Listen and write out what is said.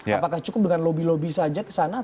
apakah cukup dengan lobby lobby saja ke sana